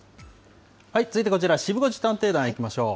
続いてこちら、シブ５時探偵団いきましょう。